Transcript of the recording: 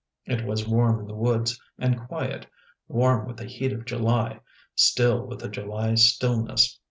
It was warm in the woods and quiet, warm with the heat of July, still with a July stillness.